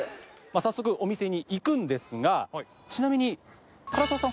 早速お店に行くんですがちなみに唐沢さん